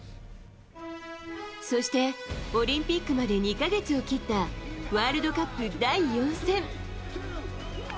そして、オリンピックまで２か月を切ったワールドカップ第４戦。